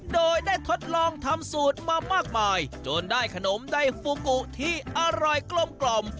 โดยได้ทดลองทำสูตรมามากมายจนได้ขนมใดฟูกุที่อร่อยกลม